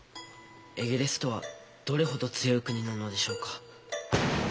エゲレスとはどれほど強い国なのでしょうか。